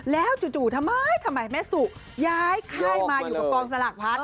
แล้วจู่ทำไมทำไมแม่สุย้ายค่ายมาอยู่กับกองสลากพัด